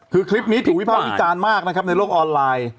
คือคลิปนี้ถูกวิภาพิจารณ์มากในโลกออนไลน์